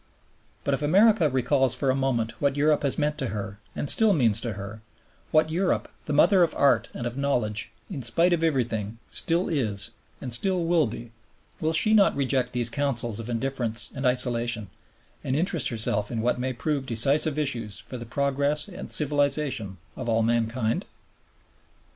But if America recalls for a moment what Europe has meant to her and still means to her, what Europe, the mother of art and of knowledge, in spite of everything, still is and still will be, will she not reject these counsels of indifference and isolation, and interest herself in what may prove decisive issues for the progress and civilization of all mankind?